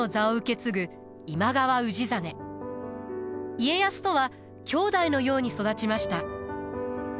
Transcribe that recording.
家康とは兄弟のように育ちました。